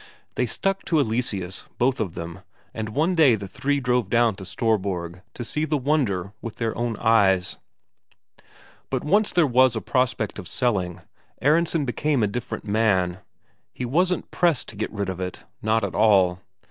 They stuck to Eleseus both of them, and one day the three drove down to Storborg to see the wonder with their own eyes. But once there was a prospect of selling, Aronsen became a different man; he wasn't pressed to get rid of it, not at all.